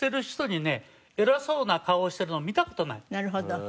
なるほど。